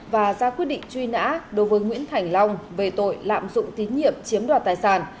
và ra quyết định truy nã đối với nguyễn thành long về tội lạm dụng tín nhiệm chiếm đoạt tài sản